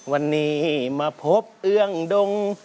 วันนี้มาพบเอื้องดง